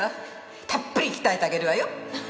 たっぷり鍛えてあげるわよ。